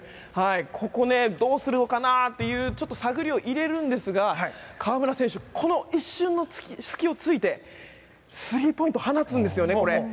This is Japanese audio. ここ、どうするのかなと探りを入れるんですが河村選手、この一瞬の隙を突いてスリーポイント放つんですよ。